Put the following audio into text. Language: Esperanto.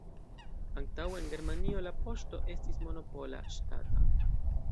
Antaŭe en Germanio la poŝto estis monopola, ŝtata.